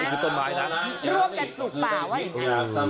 ร่วมกันปลูกป่าว่าดีครับ